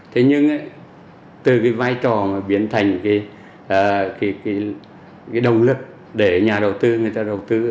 thế nhưng từ cái vai trò biến thành cái động lực để nhà đầu tư người ta đầu tư